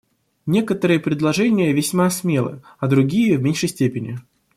Некоторые предложения весьма смелы, а другие — в меньшей степени.